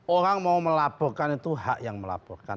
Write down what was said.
orang mau melaporkan itu hak yang melaporkan